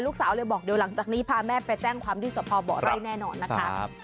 ลูกสาวเลยบอกเดี๋ยวหลังจากนี้พาแม่ไปแจ้งความที่สภบ่อไร่แน่นอนนะคะ